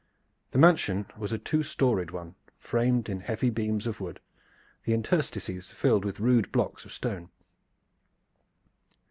The mansion was a two storied one, framed in heavy beams of wood, the interstices filled with rude blocks of stone.